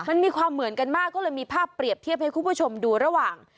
มันมีความเหมือนกันมากก็เลยมีภาพเปรียบเทียบให้คุณผู้ชมดูระหว่าง